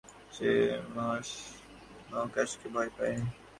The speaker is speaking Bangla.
সে মহাকাশকে ভয় পায়।